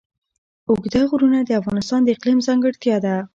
اوږده غرونه د افغانستان د اقلیم ځانګړتیا ده.